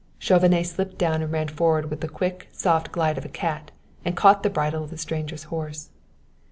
Chauvenet slipped down and ran forward with the quick, soft glide of a cat and caught the bridle of the stranger's horse.